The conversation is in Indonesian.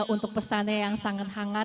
untuk pesannya yang sangat hangat